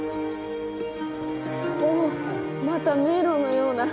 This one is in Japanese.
また迷路のような。